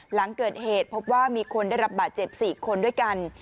หลังเกิดเหตุพบว่ามีคนได้รับบาดเจ็บ๔คนด้วยกัน